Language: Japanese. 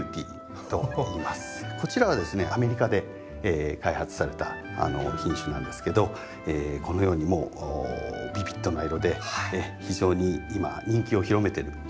こちらはですねアメリカで開発された品種なんですけどこのようにビビッドな色で非常に今人気を広めてる品種です。